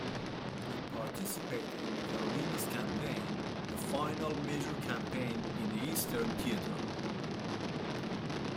He participated in the Carolinas Campaign, the final major campaign in the Eastern Theater.